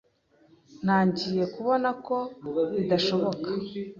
Ntangiye kubona ko bidashoboka.